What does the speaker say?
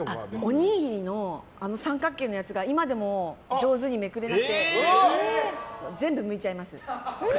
おにぎりの三角形のやつが今でも上手にめくれなくて全部むいちゃいます。